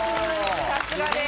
さすがです！